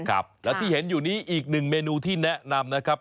ครับแล้วที่เห็นอยู่นี้อีกหนึ่งเมนูที่แนะนำนะครับ